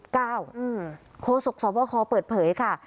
โครสกษวรรค์เปิดเผยค่ะ